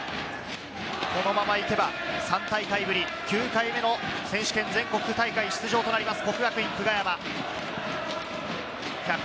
このまま行けば３大会ぶり９回目の選手権全国大会出場となります